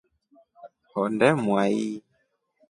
Honde mwai.